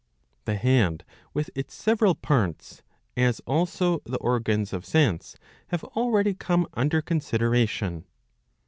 *^ The head, with its several parts, as also the organs of sense, have already come under consideration.